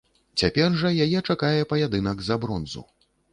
Цяпер жа яе чакае паядынак за бронзу.